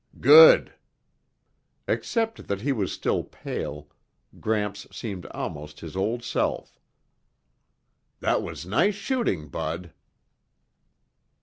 "Good." Except that he was still pale, Gramps seemed almost his old self. "That was nice shooting, Bud."